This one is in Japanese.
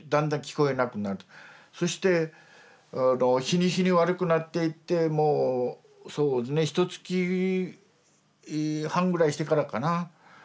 そして日に日に悪くなっていってもうそうねひとつき半ぐらいしてからかな発病から。